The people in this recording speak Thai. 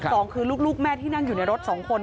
สองคือลูกแม่ที่นั่งอยู่ในรถสองคน